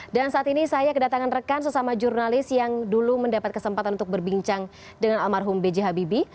dan saat ini saya kedatangan rekan sesama jurnalis yang dulu mendapat kesempatan untuk berbincang dengan almarhum b j habibi